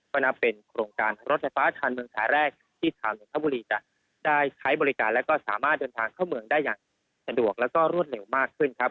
ก็นับเป็นโครงการรถไฟฟ้าชาญเมืองสายแรกที่ทางนนทบุรีจะได้ใช้บริการและก็สามารถเดินทางเข้าเมืองได้อย่างสะดวกแล้วก็รวดเร็วมากขึ้นครับ